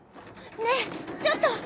ねえちょっと！